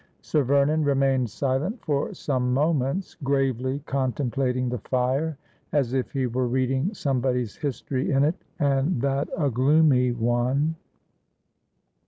Sir Vernon remained silent for some moments, gravely con templating the fire, as if he were reading somebody's history in it, and that a gloomy one.